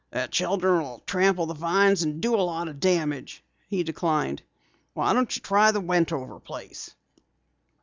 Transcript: "The children will trample the vines, and do a lot of damage," he declined. "Why don't you try the Wentover place?"